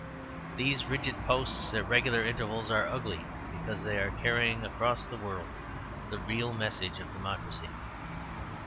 These rigid posts at regular intervals are ugly because they are carrying across the world the real message of democracy."